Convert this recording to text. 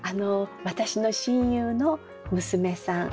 私の親友の娘さん